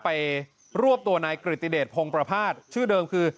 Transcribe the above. ไปรวบตัวในกริติเดชพงภาพชื่อเดิมคือ